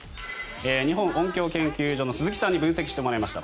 日本音響研究所の鈴木さんに分析してもらいました。